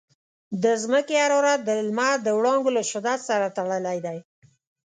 د ځمکې حرارت د لمر د وړانګو له شدت سره تړلی دی.